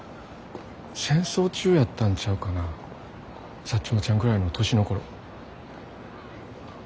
戦争中やったんちゃうかなサッチモちゃんぐらいの年の頃。